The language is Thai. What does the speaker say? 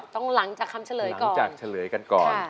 ต้องหลังจากคำเฉลยก่อน